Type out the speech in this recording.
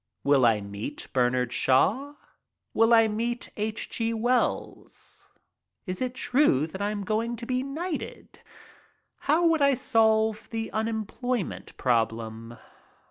Will I meet Bernard Shaw? Will I meet H. G. Wells? Is it true that I am going to be knighted? How would I solve the unemployment problem?